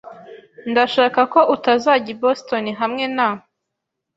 Ndashaka ko utazajya i Boston hamwe na .